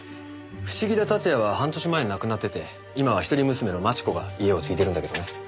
伏木田辰也は半年前に亡くなってて今は一人娘の真智子が家を継いでるんだけどね。